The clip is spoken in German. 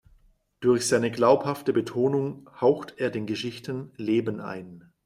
Durch seine glaubhafte Betonung haucht er den Geschichten Leben ein.